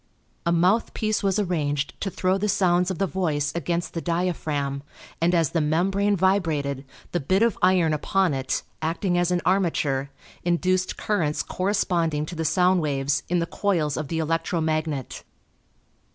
A mouthpiece was arranged to throw the sounds of the voice against the diaphragm, and as the membrane vibrated the bit of iron upon it acting as an armature induced currents corresponding to the sound waves, in the coils of the electro magnet.